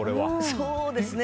そうですね。